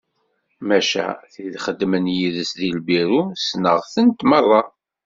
Maca, tid ixeddmen yid-s di lbiru ssneɣ-tent merra.